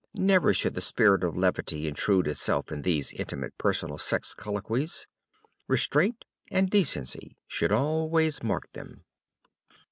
Never should the spirit of levity intrude itself in these intimate personal sex colloquies. Restraint and decency should always mark them.